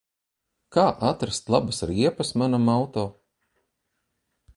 Kā atrast labas riepas manam auto?